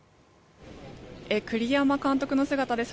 栗山監督の姿です。